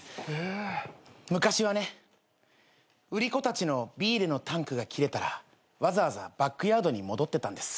昔はね売り子たちのビールのタンクが切れたらわざわざバックヤードに戻ってたんです。